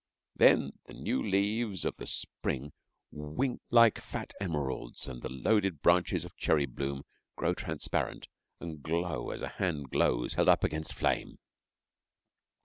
Then the new leaves of the spring wink like fat emeralds and the loaded branches of cherry bloom grow transparent and glow as a hand glows held up against flame.